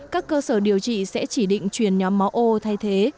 các cơ sở điều trị sẽ chỉ định truyền nhóm máu ô thay thế